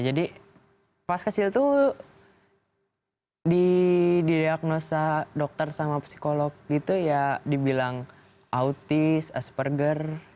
jadi pas kecil tuh di diagnosa dokter sama psikolog gitu ya dibilang autis asperger